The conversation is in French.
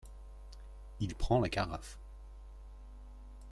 Il prend la carafe.